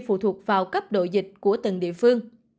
phụ thuộc vào cấp độ dịch của từng địa phương